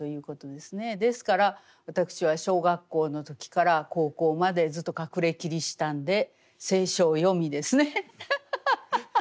ですから私は小学校の時から高校までずっと隠れキリシタンで聖書を読みですねハハハハ。